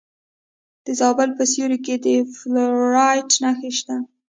د زابل په سیوري کې د فلورایټ نښې شته.